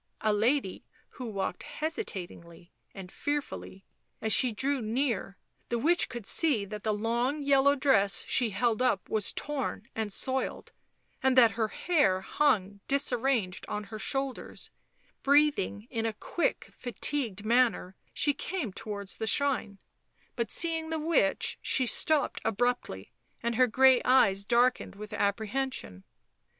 A lady who walked hesitatingly and fearfully ; as she drew near, the witch could see that the long yellow dress she held up was torn and soiled, and that her hair hung disarranged on her shoulers ; breathing in a quick, fatigued manner she came towards the shrine, but seeing the witch she stopped abruptly and her grey eyes darkened with apprehension.